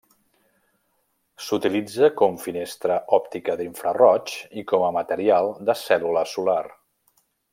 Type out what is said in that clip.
S'utilitza com finestra òptica d'infraroig i com a material de cèl·lula solar.